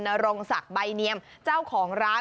นรงศักดิ์ใบเนียมเจ้าของร้าน